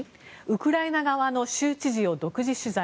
ウクライナ側の州知事を独自取材。